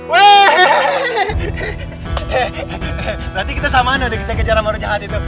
berarti kita sama ada dikejar kejar sama rujat